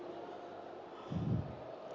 betul apa tidak